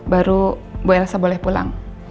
baru bu elsa boleh pulang